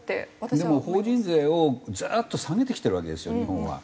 でも法人税をずっと下げてきてるわけですよ日本は。